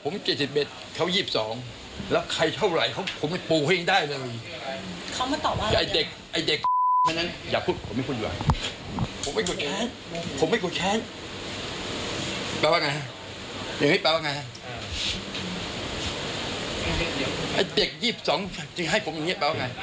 นี่ยังโกรธอยู่เลย